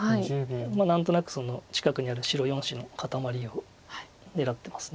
何となくその近くにある白４子の固まりを狙ってます。